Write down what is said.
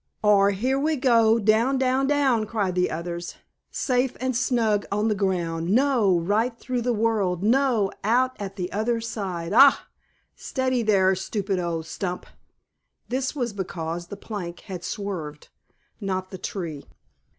Or, "Here we go down, down, down!" cried the others. "Safe and snug on the ground no! right through the world no! out at the other side. Ah! steady there, stupid old stump!" This was because the plank had swerved, not the Tree.